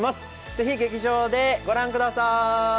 ぜひ劇場でご覧くださーい